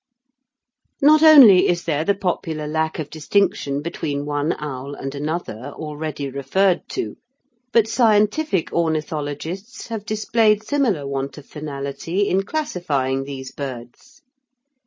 Not only is there the popular lack of distinction between one owl and another already referred to, but scientific ornithologists have displayed similar want of finality in classifying these birds.